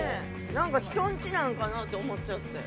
何か人んちなのかなと思っちゃって。